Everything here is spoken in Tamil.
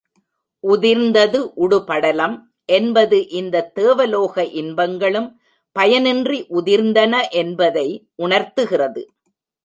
உதிர்ந்தது உடுபடலம் என்பது இந்தத் தேவலோக இன்பங்களும் பயனின்றி உதிர்ந்தன என்பதை உணர்த்துகிறது.